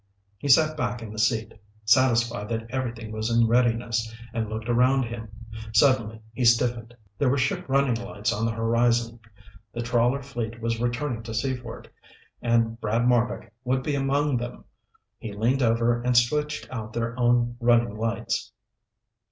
He sat back in the seat, satisfied that everything was in readiness, and looked around him. Suddenly he stiffened. There were ship running lights on the horizon. The trawler fleet was returning to Seaford, and Brad Marbek would be among them! He leaned over and switched out their own running lights.